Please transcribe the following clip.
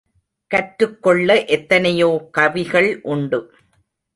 கற்றுக் கொள்ள எத்தனையோ கவிகள் உண்டு.